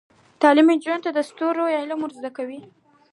تعلیم نجونو ته د ستورو علم ور زده کوي.